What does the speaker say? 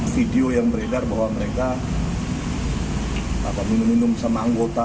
video yang beredar bahwa mereka minum minum sama anggota